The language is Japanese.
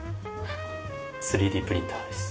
３Ｄプリンターです。